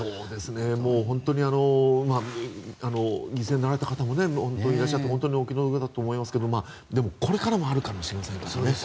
本当に犠牲になられた方もいらっしゃって本当にお気の毒だと思いますがこれからもあるかもしれませんからね。